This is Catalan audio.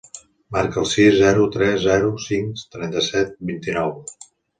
Marca el sis, zero, tres, zero, cinc, trenta-set, vint-i-nou.